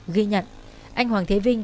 ghi nhận anh hoàng thế vinh